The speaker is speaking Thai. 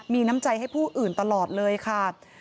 มีน้ำใจให้ผู้อื่นตลอดเลยค่ะ